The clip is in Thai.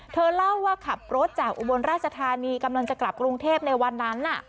ก็ขับรถจากอุบวนราชธานีกำลังจะกลับกรุงเทพฯในวันนั้น